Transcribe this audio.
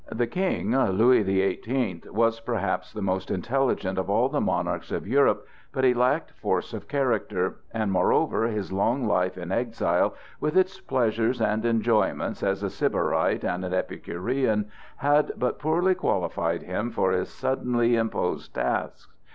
The King, Louis the Eighteenth, was perhaps the most intelligent of all the monarchs of Europe, but he lacked force of character, and, moreover, his long life in exile, with its pleasures and enjoyments as a sybarite and epicurean, had but poorly qualified him for his suddenly imposed tasks.